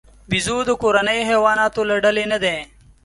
بیزو د کورنیو حیواناتو له ډلې نه دی.